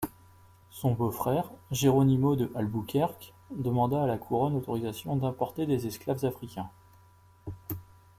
Son beau-frère, Jerônimo de Albuquerque, demanda à la couronne l'autorisation d'importer des esclaves africains.